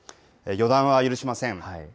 予断は許しません。